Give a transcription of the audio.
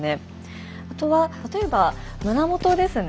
あとは例えば胸元ですね。